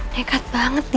nekat banget dia